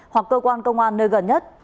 hoặc cơ quan công an nơi gần nhất